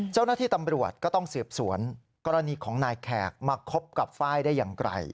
เจ้าหน้าที่ตำรวจก็ต้องสืบสวนกรณีของนายแขกมาคบกับไฟล์ได้อย่างไกล